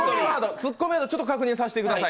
ツッコミ、ちょっと確認させてください。